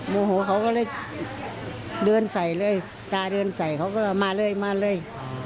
โมโหเขาก็เลยเดินใส่เลยตาเดินใส่เขาก็มาเลยมาเลย